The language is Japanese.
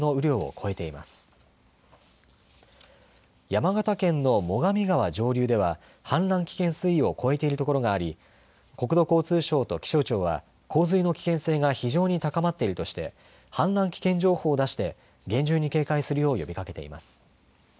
山形県の最上川上流では氾濫危険水位を超えている所があり国土交通省と気象庁は洪水の危険性が非常に高まっているとして氾濫危険情報を出して厳重に警戒するよう呼びかけています。